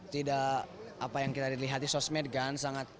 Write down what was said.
tidak apa yang kita lihat di sosmed kan